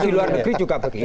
di luar negeri juga begitu